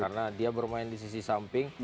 karena dia bermain di sisi samping